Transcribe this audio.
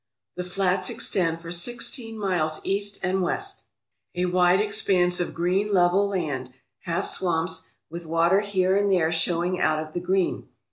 The flats extend for sixteen miles east and west, a wide expanse of green level land, half swamps, with water here and there showing out of the green.